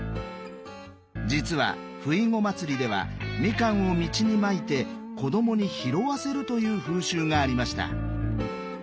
実はふいご祭りではみかんを道にまいて子供に拾わせるという風習がありました。